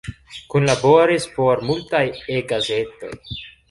Kunlaboris por multaj E-gazetoj.